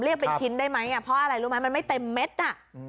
เรียกเป็นชิ้นได้ไหมเพราะอะไรรู้ไหมมันไม่เต็มเม็ดอ่ะ